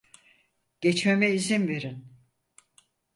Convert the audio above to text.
Geçmeme izin verin.